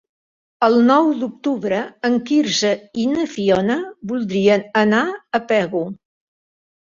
El nou d'octubre en Quirze i na Fiona voldrien anar a Pego.